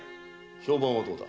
評判はどうだ？